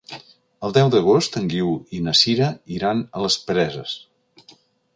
El deu d'agost en Guiu i na Sira iran a les Preses.